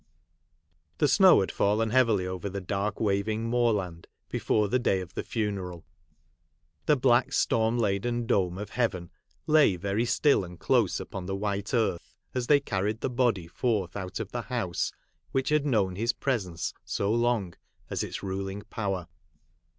The snow had fallen heavily over the dark waving moorland, before the day of the funeral. The black storm laden dome of heaven lay very still and close upon the white earth, as they carried the body forth out of the house which had known his presence so long as its ruling power.